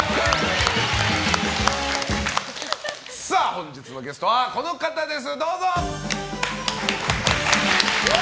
本日のゲストはこの方です！